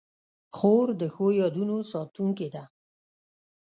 خور د ښو یادونو ساتونکې ده.